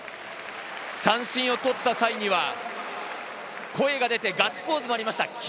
三振を取った際には声が出て、ガッツポーズもありました。